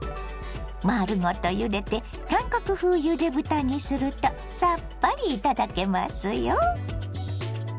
丸ごとゆでて韓国風ゆで豚にするとさっぱり頂けますよ。